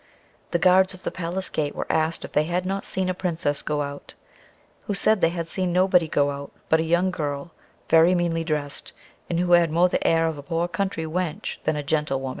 The guards at the palace gate were asked if they had not seen a Princess go out; who said, they had seen nobody go out, but a young girl, very meanly dressed, and who had more the air of a poor country wench, than a gentle woman.